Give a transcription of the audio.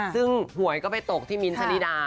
ซึ่งหวยก็ตกไปที่มิ้นท์ศนาดีดา